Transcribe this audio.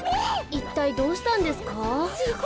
いったいどうしたんですか？